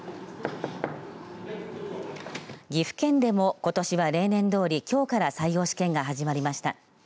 岐阜県でも、ことしは例年どおりきょうから採用試験が始まりました。